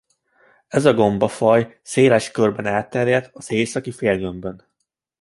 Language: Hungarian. Ez a gombafaj széles körben elterjedt az északi félgömbön.